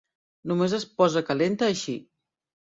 Només es posa calenta així.